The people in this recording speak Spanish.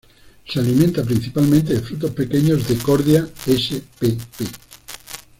Se alimenta principalmente de frutos pequeños de "Cordia" spp.